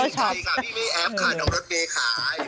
จริงใจค่ะพี่ไม่แอบค่ะน้องรถเมย์ขาย